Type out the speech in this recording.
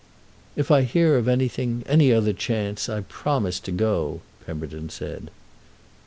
"If I hear of anything—any other chance—I promise to go," Pemberton said.